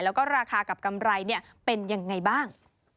แล้วก็ราคากับกำไรเป็นยังไงบ้าง